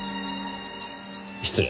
失礼。